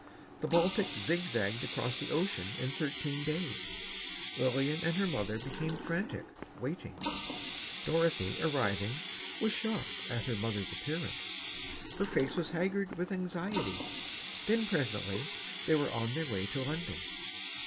The Baltic zigzagged across the ocean in thirteen days. Lillian and her mother became frantic, waiting. Dorothy, arriving, was shocked at her mother's appearance. Her face was haggard with anxiety. Then, presently, they were on their way to London.